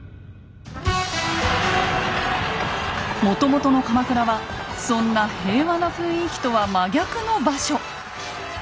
もともとの鎌倉はそんな平和な雰囲気とは真逆の場所。